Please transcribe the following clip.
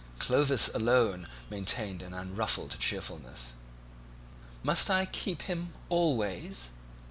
Clovis alone maintained an unruffled cheerfulness. "Must I keep him always?"